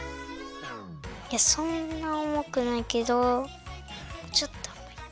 そんなおもくないけどちょっとおもい。